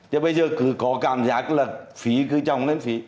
chứ bây giờ cứ có cảm giác là phí cứ trồng lên phí